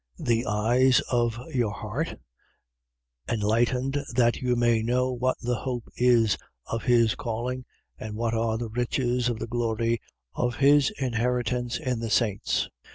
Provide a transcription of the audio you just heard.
The eyes of your heart enlightened that you may know what the hope is of his calling and what are the riches of the glory of his inheritance in the saints.